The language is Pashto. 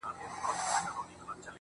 ته به د خوب په جزيره كي گراني _